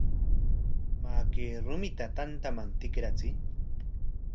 Maa, kay rumita tantaman tikrachiy.